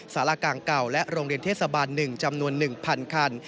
สารกลางเก่าและโรงเรียนเทศบาล๑จำนวน๑๐๐คัน